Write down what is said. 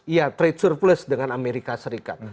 iya trade surplus dengan amerika serikat